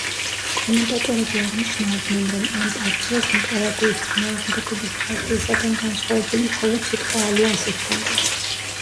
კომენტატორები აღნიშნავდნენ, რომ ამ პარტიას ნიკარაგუის წინააღმდეგობის პარტიისაგან განსხვავებული მხოლოდ სიტყვა „ალიანსი“ ჰქონდა.